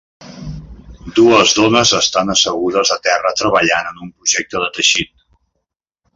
Dues dones estan assegudes a terra treballant en un projecte de teixit.